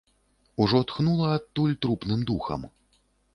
Ужо тхнула адтуль трупным духам.